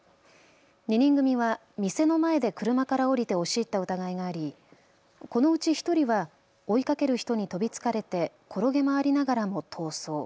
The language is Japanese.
２人組は店の前で車から降りて押し入った疑いがありこのうち１人は追いかける人に飛びつかれて転げ回りながらも逃走。